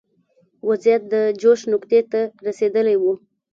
وضعیت د جوش نقطې ته رسېدلی و.